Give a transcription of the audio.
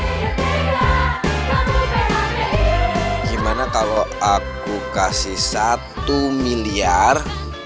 gimana kalau aku kasih satu miliar